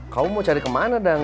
kamu mau cari kemana dong